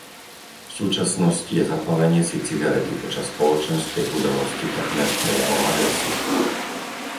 V súčasnosti je zapálenie si cigarety počas spoločenskej udalosti takmer prejavom agresie.